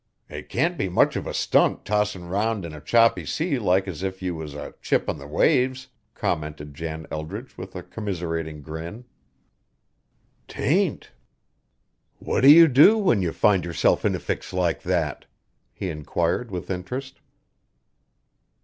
"It can't be much of a stunt tossin' round in a choppy sea like as if you was a chip on the waves," commented Jan Eldridge with a commiserating grin. "'Tain't." "What do you do when you find yourself in a fix like that?" he inquired with interest.